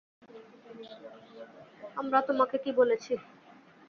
আমরা তোমাকে কি বলেছি!